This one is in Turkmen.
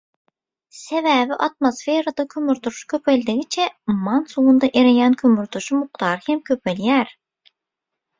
Sebäbi atmosferada kömürturşy köpeldigiçe umman suwunda ereýän kömürturşy mukdary hem köpelýär.